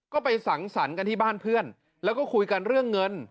ก็ไปสังสรรค์กันที่บ้านเพื่อนแล้วก็คุยกันเรื่องเงิน